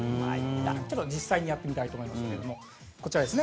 ちょっと実際にやってみたいと思いますがこちらですね